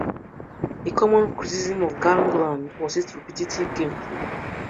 A common criticism of Gangland was its repetitive gameplay.